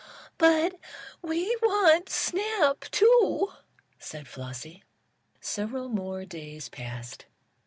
"But we want Snap, too!" said Flossie. Several more days passed.